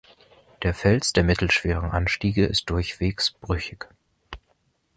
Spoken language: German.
Der Fels der mittelschweren Anstiege ist durchwegs brüchig.